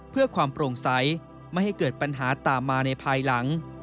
เพื่อความโปร่งใสไม่ให้เกิดปัญหาตามมาในภายหลัง